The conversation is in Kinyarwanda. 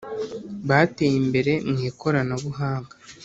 Bateye imbere mukoranabuhanga